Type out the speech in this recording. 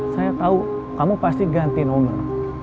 saya tahu kamu pasti ganti nomor